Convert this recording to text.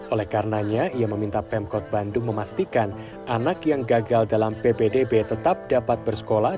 oleh karenanya ia meminta pemkot bandung memastikan anak yang gagal dalam ppdb tetap dapat bersekolah